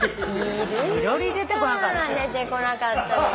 囲炉裏出てこなかった。